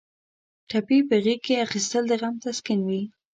ټپي په غېږ کې اخیستل د غم تسکین وي.